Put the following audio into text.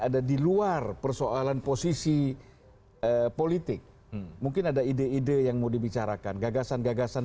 ada di luar persoalan posisi politik mungkin ada ide ide yang mau dibicarakan gagasan gagasan